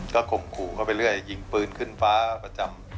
ก็ข่มขู่เข้าไปเรื่อยยิงปืนขึ้นฟ้าประจำ